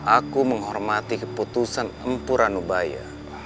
aku menghormati keputusan mumpuranubaya